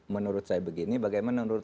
menurut saya begini bagaimana menurut